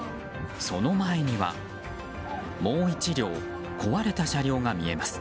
その前には、もう１両壊れた車両が見えます。